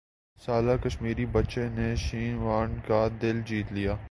سالہ کشمیری بچے نے شین وارن کا دل جیت لیا